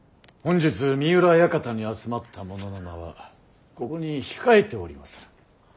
本日三浦館に集まった者の名はここに控えておりまする。